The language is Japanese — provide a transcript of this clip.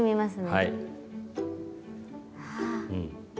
はい。